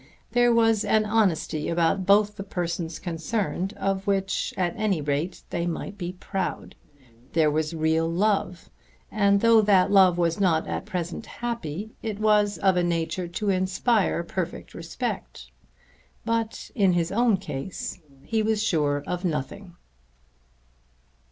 There was an honesty about both the persons concerned of which at any rate they might be proud. There was real love, and though that love was not at present happy it was of a nature to inspire perfect respect. But in his own case he was sure of nothing.